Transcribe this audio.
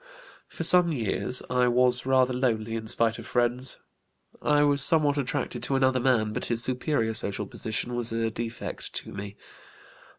"For some years I was rather lonely in spite of friends. I was somewhat attracted to another man, but his superior social position was a defect to me.